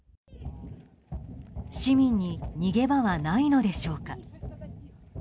市民に逃げ場はないのでしょうか？